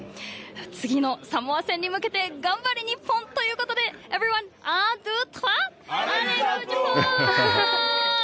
次のサモア戦に向けて、頑張れ日本ということで、アリガトウ。